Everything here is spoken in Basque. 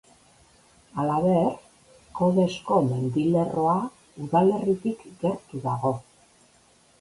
Halaber, Kodesko mendilerroa udalerritik gertu dago.